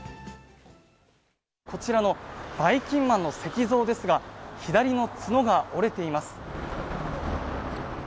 こちらのばいきんまんの石像ですが、左の角が折れています。